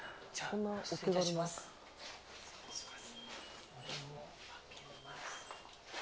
失礼いたします。